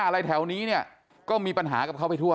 เนี่ยทีู่นอี้ก็มีปัญหากับเขาไปทั่ว